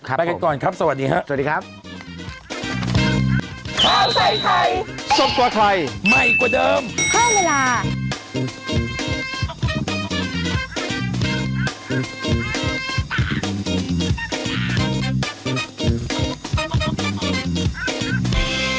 ครับผมสวัสดีครับไปกันก่อนครับสวัสดีครับสวัสดีครับ